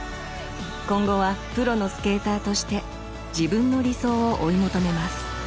今後はプロのスケーターとして自分の理想を追い求めます。